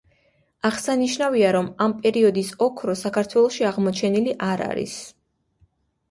აღსანიშნავია რომ ამ პერიოდის ოქრო საქართველოში აღმოჩენილი არ არის.